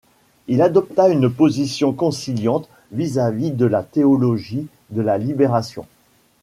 Il adopta une position conciliante vis-à-vis de la Théologie de la libération.